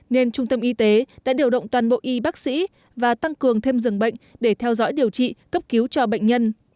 nên trung tâm y tế đã điều động toàn bộ y bác sĩ và tăng cường thêm rừng bệnh để theo dõi điều trị cấp cứu cho bệnh nhân